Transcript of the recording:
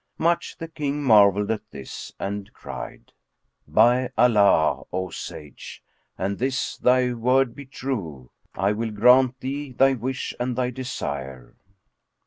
Much the King marvelled at this and cried, "By Allah, O sage, an this thy word be true, I will grant thee thy wish and thy desire."